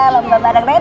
lomba padang rena